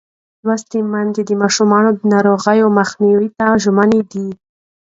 لوستې میندې د ماشوم د ناروغۍ مخنیوي ته ژمنه ده.